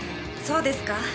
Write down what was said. そうですか？